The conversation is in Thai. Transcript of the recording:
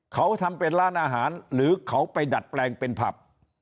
เขาทำเป็นร้านอาหารหรือเขาไปดัดแปลงเป็นผับ